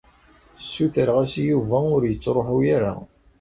Ssutreɣ-as i Yuba ur yettṛuḥu ara.